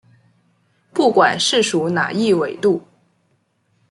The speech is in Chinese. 不管是属哪一纬度。